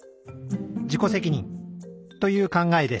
自己責任という考えです